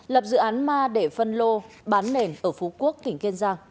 lập dự án ma để phân lô bán nền ở phú quốc tỉnh kiên giang